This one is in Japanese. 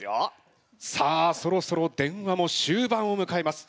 さあそろそろ電話も終盤をむかえます。